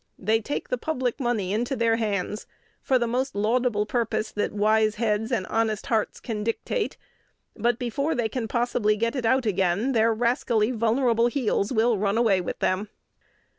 They take the public money into their hands for the most laudable purpose that wise heads and honest hearts can dictate; but, before they can possibly get it out again, their rascally vulnerable heels will run away with them."